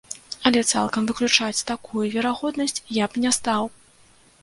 Але цалкам выключаць такую верагоднасць я б не стаў.